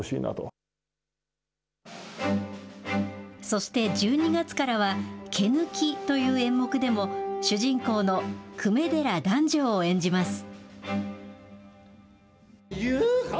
そして１２月からは、毛抜という演目でも、主人公の粂寺弾正を演じます。